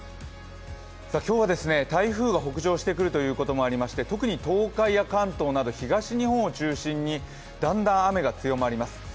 今日は台風が北上してくるということもありまして、特に東海や関東など東日本を中心にだんだん雨が強まります。